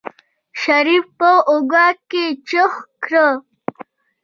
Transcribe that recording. شريف په اوږه کې چوخ کړ.